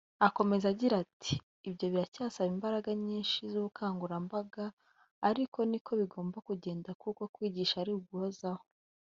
Akomeza agira ati "Ibyo biracyasaba imbaraga nyinshi z’ubukangurambaga ariko niko bigomba kugenda kuko kwigisha ari uguhozaho